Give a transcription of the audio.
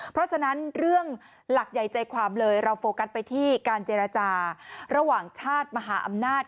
เพราะฉะนั้นเรื่องหลักใหญ่ใจความเลยเราโฟกัสไปที่การเจรจาระหว่างชาติมหาอำนาจ